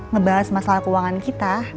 ngebahas masalah keuangan kita